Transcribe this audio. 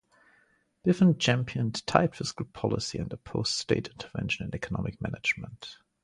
Biffen championed tight fiscal policy and opposed state intervention in economic management.